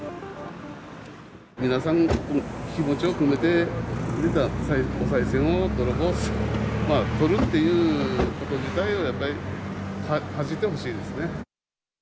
皆さんが気持ちを込めてくれたおさい銭を、泥棒する、とるっていうこと自体をやっぱり恥じてほしいですね。